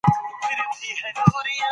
سمنګان د تاريخي ډبرو وطن دی.